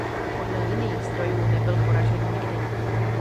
Podle jiných zdrojů nebyl poražen nikdy.